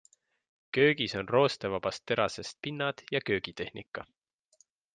Köögis on roostevabast terasest pinnad ja köögitehnika.